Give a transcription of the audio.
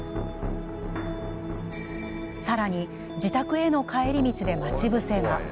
さらに、自宅への帰り道で待ち伏せが。